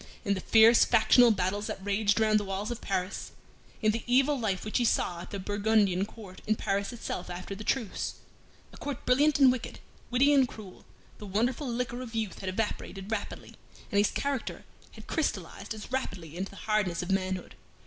In the fierce factional battles that raged around the walls of Paris; in the evil life which he saw at the Burgundian court in Paris itself after the truce a court brilliant and wicked, witty and cruel the wonderful liquor of youth had evaporated rapidly, and his character had crystallized as rapidly into the hardness of manhood.